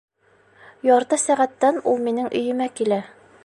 Ярты сәғәттән ул минең өйөмә килә.